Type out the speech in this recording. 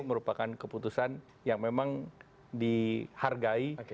merupakan keputusan yang memang dihargai